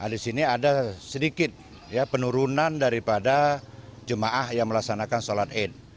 di sini ada sedikit penurunan daripada jemaah yang melaksanakan sholat id